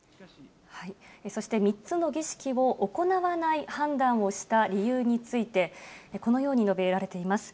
そして３つの儀式を行わない判断をした理由について、このように述べられています。